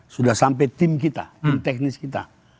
sudah sampai tim kita tim teknis kita